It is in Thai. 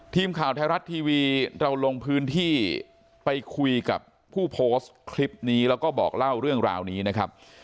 ทีมข่าวไทยรัฐทีวีเราลงพื้นที่ไปคุยกับผู้โพสต์คลิปนี้แล้วก็บอกเล่าเรื่องราวนี้นะครับ